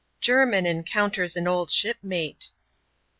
Jermia encounters an old shipmate.